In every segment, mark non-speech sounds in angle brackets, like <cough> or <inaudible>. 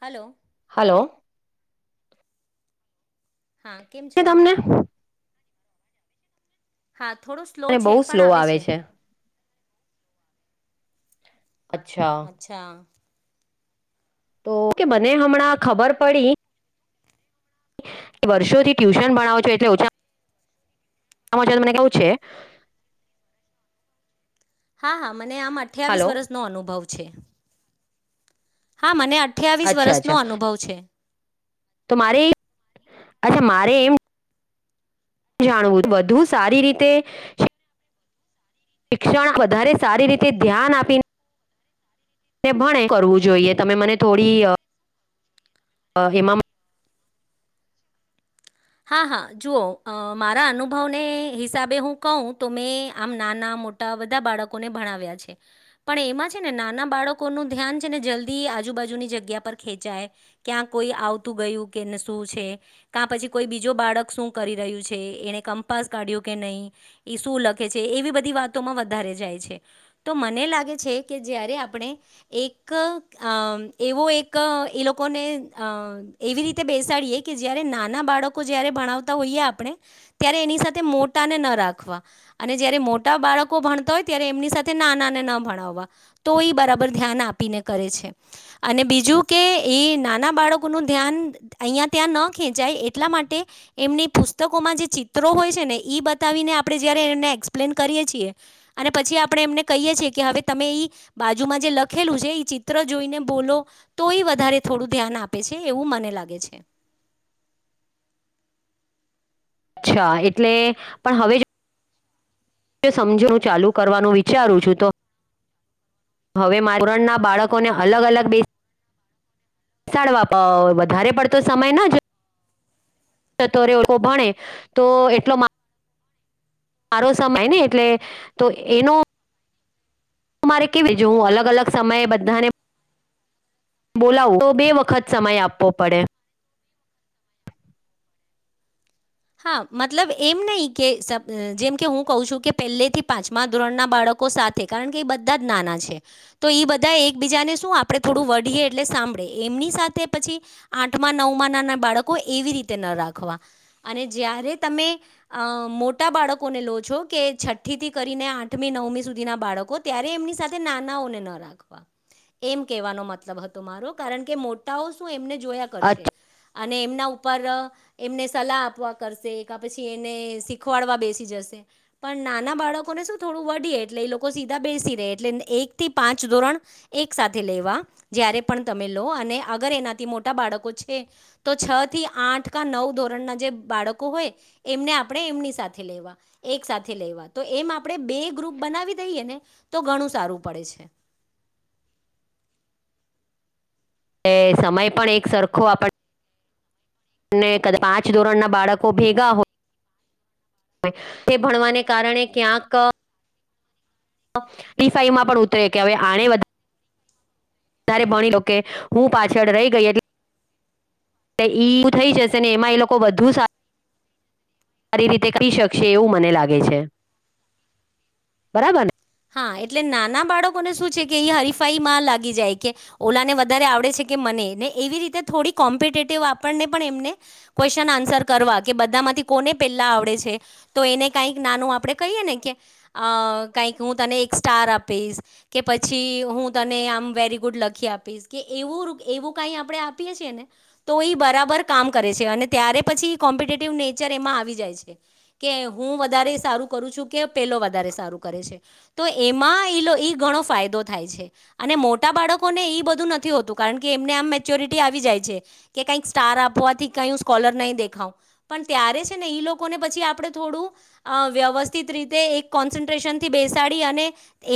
Hello હાલો. હા કેમ છો? તમને હા થોડો સ્લો અને છે, બહુ પણ સ્લો આવે છે. અચ્છા અચ્છા. તો ઓકે મને હમણાં ખબર પડી વર્ષોથી ટ્યુશન ભણાવો છો એટલે ઓછા તમા <unintelligible> મને કેવું છે. હા હા મને આમ અઠ્યાવીસ હલો વર્ષનો અનુભવ છે. હા મને અઠ્યાવીસ અચ્છા વર્ષનો અચ્છા અનુભવ છે. તો મારી અચ્છા મારે એમ જાણવું વધુ સારી રીતે શિક્ષણ વધારે સારી રીતે ધ્યાન આપીને ને ભણે કરવું જોઈએ તમે મને થોડી હેમા હા હા જુઓ અ મારા અનુભવને હિસાબે હું કહું તો મેં આમ નાના મોટા બધા બાળકોને ભણાવ્યા છે, પણ એમાં છે, ને નાના બાળકોનું ધ્યાન છે, ને જલ્દી આ આજુ બાજુની જગ્યા પર ખેંચાય ક્યાં કોઈ આવતું ગયું કે શું છે ક્યાં પછી કોઈ બીજો બાળક શું કરી રહ્યું છે, એને કંપાસ કાઢ્યું કે નહી એ શું લખે છે, એવી બધી વાતોમાં વધારે જાય છે, તો મને લાગે છે, કે જ્યારે આપણે એક આ આમ એવો એક એ લોકોને અ એવી રીતે બેસાડીએ કે જ્યારે નાના બાળક કો જયારે ભણતા હોયે આપણે ત્યારે એની સાથે મોટાને ના રાખવા અને જયારે મોટા બા ળકો ભણતા હોય ત્યારે એમની સાથે નાનાને ન ભણાવવા તો એ બરાબર ધ્યાન આપીને કરે છે. અને બીજું કે એ નાના બાળકોનું ધ્યાન અંયા ત્યાં ન ખેંચાય એટલા માટ ટે એમની પુસ્તકોમાં જે ચિત્રો હોય છે, ને બતાવીને આપડે જયારે એને એક્સપ્લેન કરીએ છીએ અને પછી આપણે એમને કહીએ છીએ કે હવે તમે બાજુમાં જે લખેલું છે, એ ચિત્ર જોઈને બોલો તો એ વધારે થોડું ધ્યાન આપે છે, એવું મને લાગે છે. <unintelligible> અચ્છા એટલે પણ હવે જો સમજુ હું ચાલુ કરવાનું વિચારું છું તો હવે મા ધરણના બાળકોને અલગ-અલગ બે બેસાડવા પર વધારે પડતો સમયના જ તો ર ભણે તો એટલો મા સારો સમય ને એટલે તો એનો હું મારે કેવી જો હું અલગ અલગ સમયે બધાને બોલાવું તો બે વખત સમય આપવો પડે. <inaudible> હા મતલબ એમ નહી કે જેમકે હું કહ છું કે પહેલેથી પાંચમા ધોરણના બાળકો સાથે કારણ કે બધા જ નાના છે તો એ બધા એક બીજાને શું આપણે થોડું વીડીએ એટલે સાં એમની સાથે પછી આઠમાં નવમાં નાના બાળકો એવી રીતે ના રાખવા અને જ્યારે તમે મોટા બાળકોને લો છો કે છઠ્ઠીથી કરીને આઠમી નવ મમ્મી સુધી ના બાળકો ત્યારે એમની સાથે નાનાઓને ના રાખવા. એમ કેવાનો મતલબ હતો મારો કારણ કે મોટાઓ શું એમને જોયા કરશે અને એમના ઉપર એમને સલાહ આપ આપવા કરશે પછી એને શીખવાડવા બેસી જશે પણ નાના બાળકોને શું થોડું વદીએ એટલે એ લોકો સીધા બેસી રહે એટલે એક થી પાંચ ધોરણ એક સાથે લેવા જયારે પણ તમે લો અને અગર એનાથી મોટા બાળકો છે તો છ થી આઠ ક નવ ધોરણના જે બાળકો હોય એમને આપણે એમની સાથે લેવા એક સાથે લેવા તો એમ આપણે બે ગ્રુપ બનાવી દઈએ ને તો ઘણું સારું પડે છે. <inaudible> એ સમય પણ એક સરખો આપણ અને કદાચ પાંચ ધોરણના બાળકો ભેગા હોય તે ભણવાને કારણે ક્યાંક હરિફાઈમાં પણ ઉતરે કે હવે આણે બધા વધારે ભણ્યો કે હું પાછળ રહી ગઈ એટલે એલે ઈ થઈ જશે ને એમાં એ લોકો વધુ સારું સારી રીતે કરી શકશે એવું મને લાગે છે. બરાબરને? હા એટલે નાના બાળકોને શું છે કે એ હરીફાઈમાં લાગી જાય કે ઓલાને વધારે આવડે છે. કે મને ને એવી રીતે થોડી કોમ્પિટેટિવ આપણને પણ એમને ક્વેશ્ચન આન્સર કરવા કે બધા થી કોને પેલા આવડે છે તો એને કંઈક નાનું આપણે કહીએ ને કે કંઈક કે હું તને એક સ્ટાર આપીશ કે પછી હું તને આમ વેરી ગુડ લખી આપીશ કે એવું એવું ક આપણે આપીએ છીએ ને તો એ બરાબર કામ કરે છે અને ત્યારે પછી કોમ્પિટેટીવ નેચર એમાં આવી જાય છે કે હું વધારે સારું કરું છું. કે પેલો વધારે સારું કરે છે. તો એમાં ઈ ઘણો ફાયદો થાય છે અને મોટા બાળકોને ઈ બધું નથી હોતું. કારણ કે એમને આમ મેચ્યોરિટી આવી જાય છે કે કંઇક સ્ટાર આપવાથી કઇ હું સ્કોલર નહીં દેખાવ પણ ત્યારે છે ને ઈ લોકોને પછી આપણે થોડું એ વ્યવસ્થિત રીતે એ કોન્સેન્ટ્રેશન થી બેસાડી અને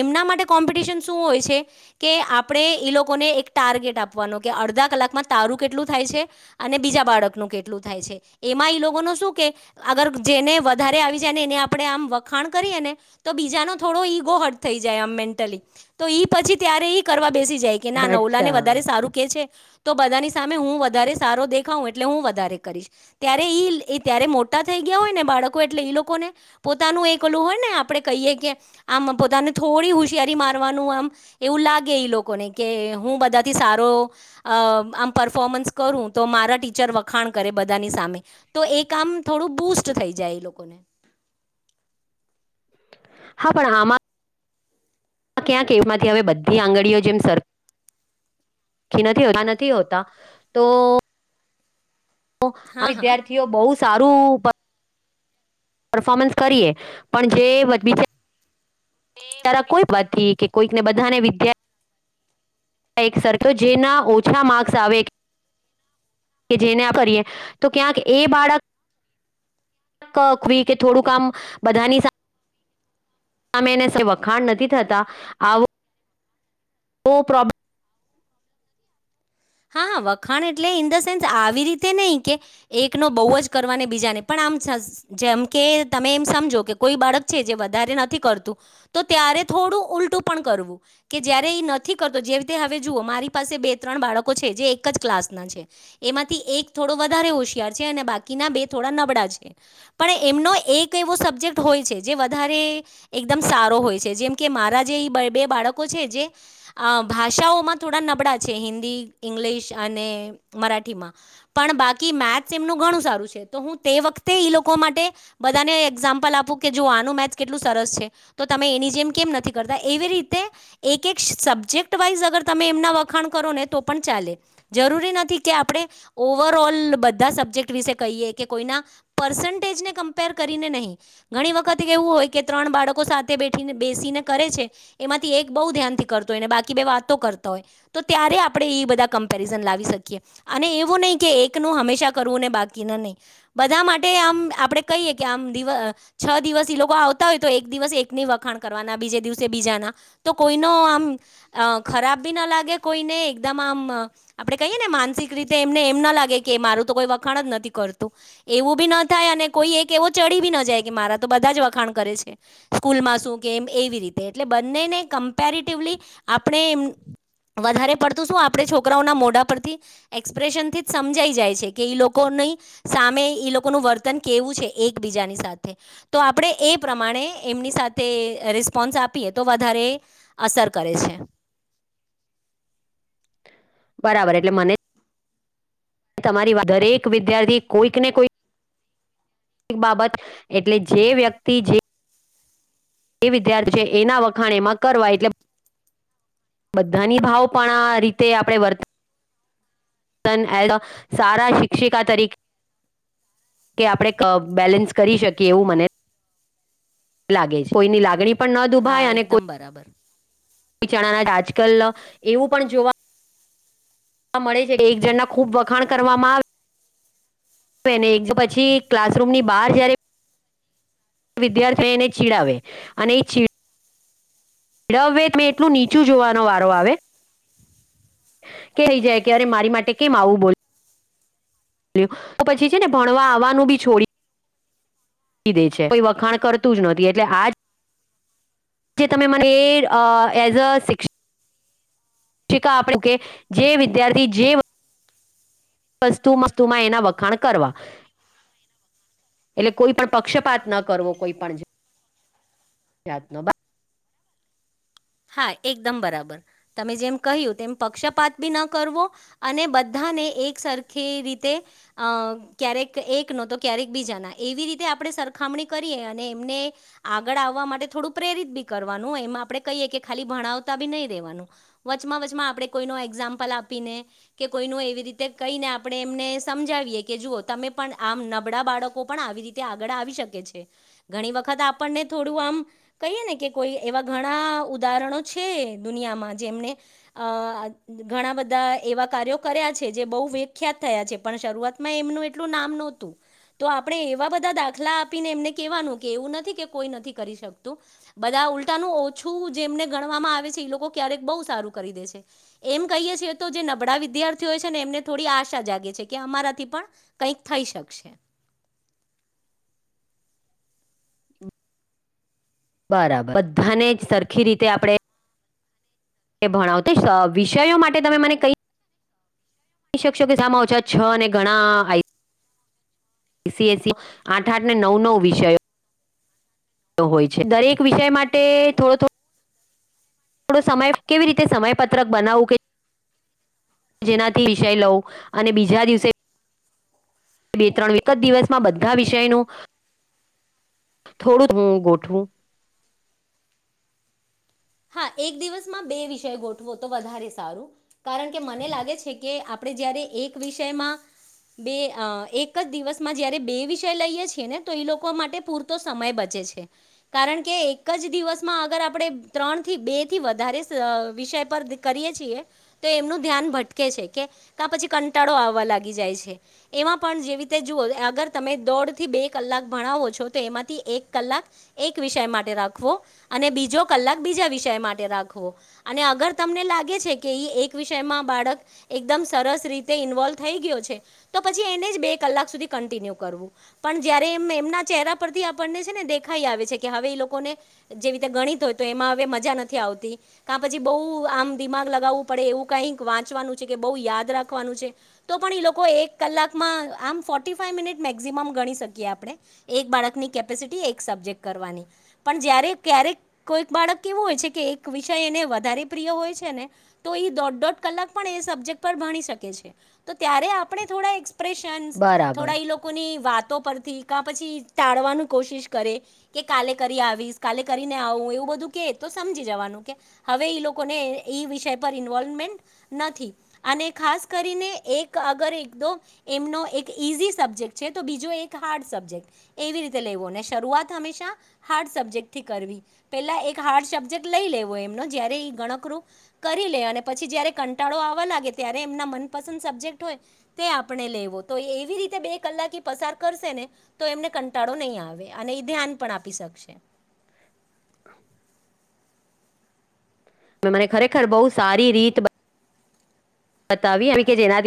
એમના માટે કોમ્પિટશન શું હોય છે કે આપણે એ લોકોને ટારગેટ આપવાનો કે અડધા કલાકમાં તારું કેટલું થાય છે અને બીજા બાળકનું કેટલું થાય છે એમાં ઇ લોકોનો શું કે અગર જેને વધારે આવી જાય ને એને આપણે આમ વખાણ કરીએ ને તો બીજાનો થોડો ઈગો હર્ટ થઈ જાય આમ મેન્ટલી તો ઈ પછી ત્યારે ઈ કરવા બેસી જાય કે ના નવલા ને અચ્છા વધારે સારું કે છે તો બધાની સામે હું વધારે સારો દેખાવ એટલે હું વધારે કરીશ ત્યારે ઈ ત્યારે મોટ ટા થઈ ગયા હોયને બાળકો એટલે ઈ લોકોને પોતાનું એક ઓલું હોય ને આપ આપણે કહીએ કે આમ પોતાને થોડી હોશિયારી મારવાનું આમ એવું લાગે ઈ લોકોને કે હું બધાથી સારો અ આમ પરફોમન્સ કરું તો મારા ટીચર વખાણ કરે બધાની સામે તો એ કામ થોડું બુસ્ટ થઈ જાય એ લોકોને હા પણ આમાં આ ક્યાંક એમાંથી હવે બધી આંગળીઓ જેમ સર નથી હોતા નથી હોતા તો હા હા વિદ્યાર્થીઓ બહુ સારું પરફોર્મન્સ કરીએ પણ જે બધી જે તારા કોઈ પતિ કે કોઈકને બધાને વિધાર્થી એક સરખો જેના ઓછા માર્ક્સ આવે કે જે ના ફરીએ તો ક્યાંક એ બાળક કખવી કે થોડું ક આમ બધાની સાથે સામે એના વખાણ નથી થતા આવો પ્રોબ્લેમ હા હા વખાણ એટલે ઇન ધ સેન્સ આવી રીતે નહી કે એકનો બહુ જ કરવા બીજાને પણ આમ જેમ કે તમે એમ સમજો કે કોઈ બાળક છે જે વધારે નથી કરતું તો ત્યારે થોડું ઉલટું પણ કરવું કે જયારે ઈ નથી કરતો જે રીતે હવે જુઓ મારી પાસે બે ત્રણ બાળકો છે જે એક ક્લાસ ના છે એમાંથી એક થોડો વધારે હોશિયાર છે અને બાકીના બે થોડા નબળા છે એમ નો એક એવો સબજેક્ટ હોય છે જે વધારે એકદમ સારો હોય છે. કેમકે મારા જે એ બે બાળકો છે જે ભાષાઓમાં થોડા નબળા છે હિન્દી ઇંગ્લિશ અને મરાઠીમાં પણ બાકી મેથ્સ એમનું ઘણું સારું છે તો હું તે વખતે ઈ લોકો માટે બધાને એક્ઝામ્પલ આપું કે જો આનું મેથ્સ કેટલું સરસ છે તો તમે એની જેમ કે નથી કરતા એવી રીતે એક એક સબ્જેક્ટ વાઈઝ અગર તમે એમના વખાણ કરો ને તો પણ ચાલે જરૂરી નથી કે આપણે ઓવરઓલ બધા સબ્જેક્ટ વિશે કહીએ કે કોઈના પર્સેન્ટેજને કમ્પેર કરીને નહીં ઘણી વખત એવું હોય કે ત્રણ બાળકો સાથે બેઠીને બે બેસીને કરે છે એમાંથી એક બઉ ધ્યાનથી કરતો બાકી બે વાતો કરતા હોય તો ત્યારે આપણે એ બધા કમ્પેરિઝન લાવી શકીએ અને એવું નહીં કે એકનું હંમેશા કરવુંને બાકીને નહીં બધા માટે આમ આપડે કહીએ કે આમ દ છ દિવસ ઈ લોકો આવતા હોય તો એક દિવસ એકની વખાણ કરવાના બીજ દિવસે બીજા ના તો કોઈ નો આમ ખરાબ બી ના લાગે કોઈને એકદમ આમ આપડે કહીએ ને માનસિક રીતે એમને એમ ના લાગે કે મારું તો કોઈ વખાણ જ નથી કરતું એવું બી ના થાય અને કોઈ એક એવો ચડી બી ના જાય કે મારા તો બધા જ વખાણ કરે છે સ્કૂલમાં શું એમ એવી રીતે એટલે બંનેને કમ્પેરટિવલી આપણે એમ વધારે પડ તું શું આપણે છોકરાઓના મોઢા પરથી એક્સપ્રેશનથી જ સમજાઈ જાય છે કે લોકો ની સામે એ લોકોનું વર્તન કેવું છે એકબીજાની સાથે તો આપણે એ પ્રમાણે એમની સાથે રિસ્પોન્સ આપીએ તો વધારે એ અસર કરે છે બરાબર એટલે મને અને તમારી વાત દરેક વિદ્યાર્થી કોઈક ને કોઈક એક બાબત એટલે જે વ્યક્તિ જે એ વિદ્યાર્થી એના વખાણ એમાં કરવા એટલે બધાની ભાવ પણ આ રીતે આપણે વર્તા વતૅન સારા શિક્ષિકા તરીકે કે આપણે ક બેલેન્સ કરી શકીએ એવું મને એ લાગે છે કોઈની લાગણી પણ ન હા દુભાય અને એકદમ કોઈ બરાબર કો ચણાના આજકાલ એવું પણ જોવા જોવા મળે છે એક જણના ખૂબ વખાણ કરવામાં આવે એને એક તો પછી ક્લાસરૂમની બહાર જય્યારે વિદ્યાર્થીને એને ચીડાવે અને એ ચીડ ચીડાવે ત મેં એટલું નીચું જોવાનો વારો આવે કહી જાય કે અરે મારી માટે કેમ આવું બોલ તો પછી છે ને ભણવા આવવાનું બી છોડી દે છે કોઈ વખાણ કરતું જ નહોતી એટલે આજ જે તમે મને એ એઝ અ શિક્ષ શિક્ શિકા આપણે કે જે વિદ્યાર્થી જે બસતું મસ્તુમાં એના વખાણ કરવા એટલે કોઈ પણ પક્ષપાત ન કરવો કોઈ પણણ જાતનોબ હા એકદમ બરાબર તમે જેમ કહ્યું તેમ પક્ષપાત બી ન કરવો અને બધા એક સરખી રીતે ક્યારેક એક ન તો ક્યારેક બીજાના એવી રીતે આપણે સરખામણી કરીએ અને એમને આગળ આવવા માટે થોડું પ્રેરિત બી કરવાનું એમાં આપણે ભણતા નહી વમાં વ આપ કો એામ આપી એવી રીતે કહીને આપણે એમને સમજાવીએ કે જુઓ તમે પણ આમ નબળા બાળકો પણ આવી રીતે આળ આવી શકે છે ઘણી વખત આપણને થોડું આમ કહીએ ને કે કોઈ એવા ઉદાહરણો છે દુનિયામાં જેમને ઘણા બધા એવા કાર કર છે જે બહુ વિખ્યાત થયા છે પણ શરૂઆતમાં એમનું એટલું નામ નહતું તો આપણે એવા બધા દાખલા આપીને એમને કહેવાનું કે એવું નથી કે કોઈ નથી કરી શકતું બધા ઉલટાનું છું જેમને ગણવામાં આવે છે એ લોકો ક્યારેક બહ સારું કરી દે છે એમ કહીએ છે તો જે નબળા વિ વિદ્યાર્થીઓ છે ને એમને થોડી આશા જાગે છે કે અમારાથી પણ કંઈક થઈ શકશે બરાબર બધાને જ સરખી રીતે આપણે એ ભણાવ તો વિષયો માટે તમે મને કઈ કઈ શકશો કે સાામાં ઓછા છ અને ઘણા આઈ એઈસીએસસી આઠ આઠ નવ નવ વિષયો હોય છે દરેક વિષય માટે થોડો થોડો થોડો સમય કેવી રીતે સમયપત્રક બનાવવું કે જેનાથી વિષય લઉં અને બીજા દિવસે બે ત્રણ એક જ દિવસમાં બધા વિષયનું થોડું જ હું ગોઠવું હા એક દિવસમાં બે વિષય ગોઠવો તો વધારે સારું કારણ કે મને લાગે છે કે આપણે જયારે એક વિષયમાં બે એક જ દિવસમાં જયારે બે વિષય લઈએ છીએ ને તો એ લોકો માટે પૂરતો સમય બચે કારણ કે એક જ દિવસમાં અગર આપણેે ત્રણથી બે થી વધારે વિષય પર કરીએ છીએ તો એમનું ધ્યાન ભટકે છે કે પછી કંટાળો આવવા લાગી જાય છે એમાં પણ જેવી રીતે જુઓ આગર તમે દોઢ થી બે કલાક ભણાવો છો તો એમાંથી એક કલાક એક વિષય માટે રાખવો અને બીજો કલાક બીજા વિષય માટે રાખવો અને અગર તમને લાગે છે કે એક વિષયમાં બાળક એકદમ સરસ રીતે ઇન્વોલ્વ થઈ ગયો છે તો પછી એને જ બે કલાક સુધી કન્ટિન્યુ કરવું પણ પણ જયારે એમ એમના ચહેરા પરથી આપણને છે ને દેખાઈ આવે છે કે હવે એ લોકોને જેવી રીતે ગણિત હોય તો એમાં હવે મજા નથી આવતી ક પછી બહુ આમ દિમાગ લગાવવું પડે એવું કઈક વાંચવાનું છે કે બ યાદ રાખવાનું છે તો પણ એ લોકો એક કલાકમાં આમ ફોર્ ફાઈવ મિનિટ મેક્સિમ ગણી એક બાળકની કેપેસિટી એક સબ્જેક્ટ કરવાની પણ જ્યારે ક્યારે કોઈક બાળક કેવું હોય છે કે એક વિષય એને વધારે પ્રિય હોય છે ને તો ઈ દોઢ-દોઢ કલાક પણ સબજેક્ટ પર ભણી શકે છે. તો ત્યારે આપણે થોડા એક્સપ્રેશન બરાબર થોડા ઈ લોકોની વાતો પરથી કા પછી ટાળવાનું કોશિશ કરે. કે કાલે કરી આવીશ, કાલે કરીને આવું એવું બધું કે તો સમજી જવાનું કે હવે ઈ લોકોને ઈ વિષય પર ઇન્વોલ્વમેન્ટ નથી. અને ખાસ કરીને એક અગર એકદો એમનો એક ઈઝી સબ્જેક્ટ છે. તો બીજો તો એક હાર્ડ સબજેક્ટ એવી રીતે લેવોને શરૂઆત હંમેશા હાર્ડ સબજેક્ટથી કરવી. પેલા એક હાર્ડ સબ્જેક્ટ લઈ લેવો એમનો જયારે ગણકરું કરી લે અને પછી જયારે કંટાળો આવા લાગે ત્યારે તેમના મનપસંદ સબજેકટ હોય તે આપણે લેવો તો એવી રીતે બે કલાકે પસંદ <unintelligible> કરશે ને તો એમને કંટાળો નઈ આવે અને ઈ ધ્યાન પણ આપી શકશે. <inaudible> ને મને ખરેખર બઉ સારી રીત બતાવી કે જેનાથી